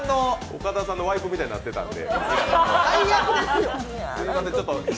岡田さんのワイプみたいになってたので。